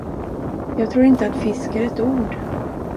Jag tror inte att fisk är ett ord.